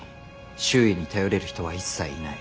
周囲に頼れる人は一切いない。